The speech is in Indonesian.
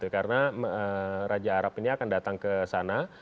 karena raja arab ini akan datang ke sana